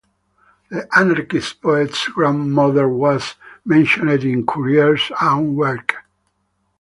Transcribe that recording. The anarchist poet's grandmother was mentioned in Courier's own work.